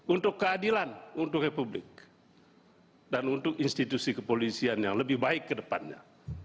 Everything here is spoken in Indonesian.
untuk keadilan untuk republik dan untuk institusi kepolisian yang lebih baik ke depannya